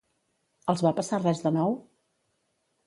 Els va passar res de nou?